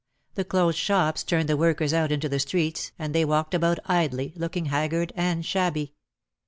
The closed shops turned the workers out into the streets and they walked about idly, looking haggard and shabby.